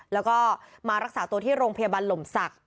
แล้วก็มารักษาตัวที่โรงพยาบาลหล่มศักดิ